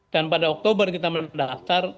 dan pada oktober kita mendaftar